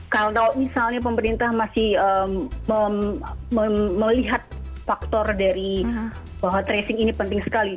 kalau misalnya pemerintah masih melihat faktor dari bahwa tracing ini penting sekali